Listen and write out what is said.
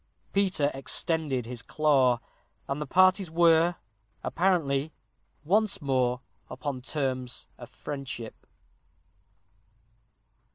Peter extended his claw, and the parties were, apparently, once more upon terms of friendship.